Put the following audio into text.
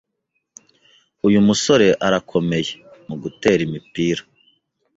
Uyu musore arakomeye mugutera imipira.